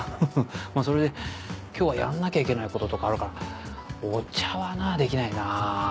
それで今日はやんなきゃいけないこととかあるからお茶はなできないなぁ。